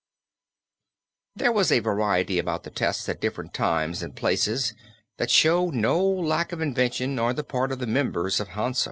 There was a variety about the tests at different times and places that show no lack of invention on the part of the members of Hansa.